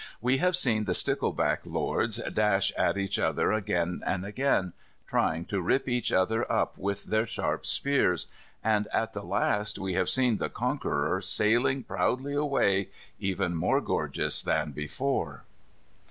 We have seen the stickleback lords dash at each other again and again, trying to rip each other up with their sharp spears, and, at the last, we have seen the conqueror sailing proudly away, even more gorgeous than before.